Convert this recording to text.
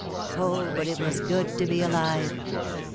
Oh, but it was good to be alive!